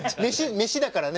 「飯」だからね